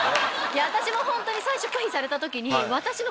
私もホントに最初拒否されたときに。